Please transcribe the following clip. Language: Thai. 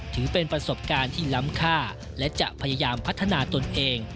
ถือเป็นประสบการณ์ที่ล้ำค่าและจะพยายามพัฒนาตนเอง